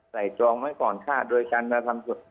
ใส่จองไว้ก่อนค่าโดยการมาทำส่วน